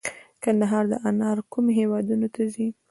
د کندهار انار کومو هیوادونو ته ځي؟